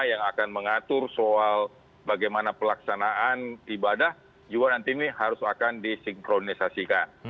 yang akan mengatur soal bagaimana pelaksanaan ibadah juga nanti ini harus akan disinkronisasikan